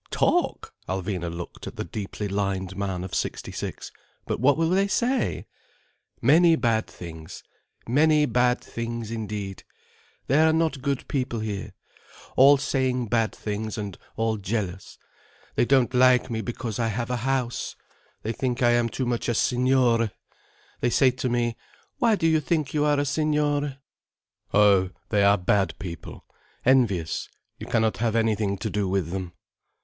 "Talk!" Alvina looked at the deeply lined man of sixty six, "But what will they say?" "Many bad things. Many bad things indeed. They are not good people here. All saying bad things, and all jealous. They don't like me because I have a house—they think I am too much a signore. They say to me 'Why do you think you are a signore?' Oh, they are bad people, envious, you cannot have anything to do with them."